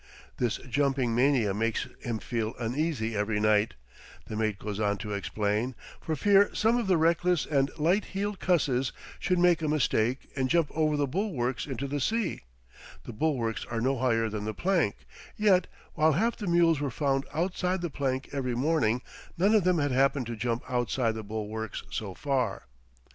This jumping mania makes him feel uneasy every night, the mate goes on to explain, for fear some of the reckless and "light heeled cusses" should make a mistake and jump over the bulwarks into the sea; the bulwarks are no higher than the plank, yet, while half the mules were found outside the plank every morning, none of them had happened to jump outside the bulwarks so far.